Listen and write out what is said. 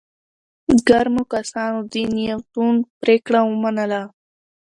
ګرمو کسانو د نياوتون پرېکړه ومنله.